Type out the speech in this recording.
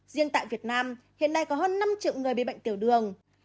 riêng tại việt nam hiện nay có hơn năm triệu người bị bệnh tiểu đường